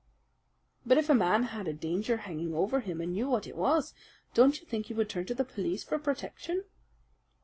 "But if a man had a danger hanging over him, and knew what it was, don't you think he would turn to the police for protection?"